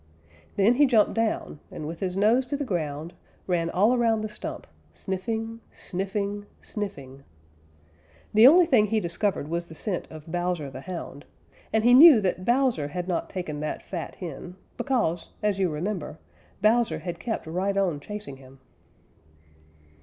Then he jumped down, and with his nose to the ground, ran all around the stump, sniffing, sniffing, sniffing. The only thing he discovered was the scent of Bowser the Hound, and he knew that Bowser had not taken that fat hen, because, as you remember, Bowser had kept right on chasing him.